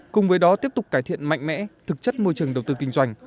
cùng với đó tiếp tục cải thiện mạnh mẽ thực chất môi trường đầu tư kinh doanh